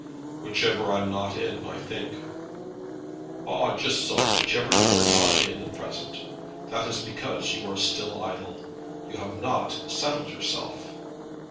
"Whichever I'm not in, I think." "Ah, just so. Whichever you are not in at present. That is because you are still idle. You have not settled yourself!"